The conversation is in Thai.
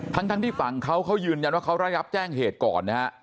ทั้งที่ฝั่งเขาเขายืนยันว่าเขาได้รับแจ้งเหตุก่อนนะฮะ